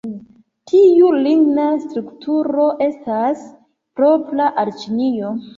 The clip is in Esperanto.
Tiu ligna strukturo estas propra al Ĉinio.